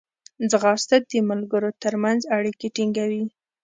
ځغاسته د ملګرو ترمنځ اړیکې ټینګوي